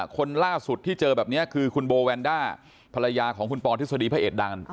คนล่าสุดที่เจอแบบนี้คือคุณโบแวนด้าภรรยาของคุณปอทฤษฎีพระเอกดัง